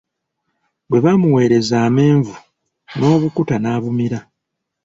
Bwe baamuweereza amenvu N'obukuta n'abumira.